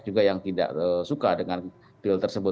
juga yang tidak suka dengan pil tersebut